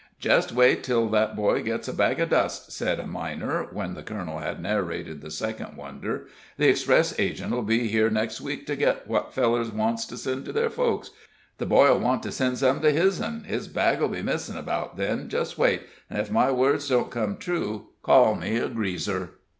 "Jest wait till that boy gets a bag of dust," said a miner, when the colonel had narrated the second wonder. "The express agent'll be here next week to git what fellers wants to send to their folks the boy'll want to send some to his'n his bag'll be missin' 'bout then jist wait, and ef my words don't come true, call me greaser."